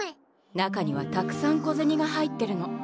中にはたくさんこぜにが入ってるの。